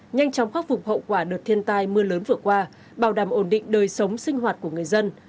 nhanh chóng khắc phục hậu quả đợt thiên tai mưa lớn vừa qua bảo đảm ổn định đời sống sinh hoạt của người dân